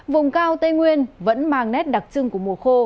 vùng cao tây nguyên vẫn mang nét đặc trưng của mùa khô